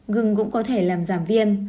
gừng cũng có thể làm giảm viêm